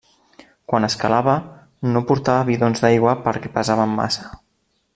Quan escalava, no portava bidons d'aigua perquè pesaven massa.